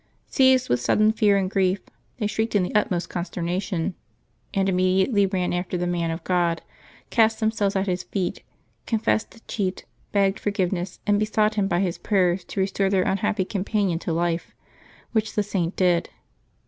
Seized with sudden fear and grief, they shrieked in the utmost consternation, and immediately ran after the man of God, cast themselves at his feet, confessed the cheat, begged forgiveness, and besought him by his prayers to restore their unhappy companion to life, which the Saint did.